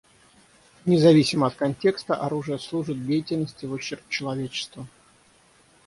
Независимо от контекста, оружие служит деятельности в ущерб человечеству.